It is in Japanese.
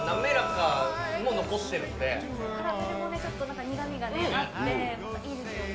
カラメルもね、ちょっとなんか苦みがあって、いいですよね。